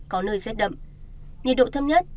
có nơi rét đậm nhiệt độ thấp nhất